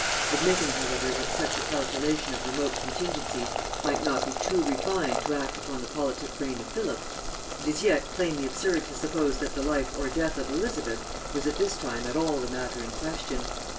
Admitting however that such a calculation of remote contingencies might not be too refined to act upon the politic brain of Philip, it is yet plainly absurd to suppose that the life or death of Elizabeth was at this time at all the matter in question.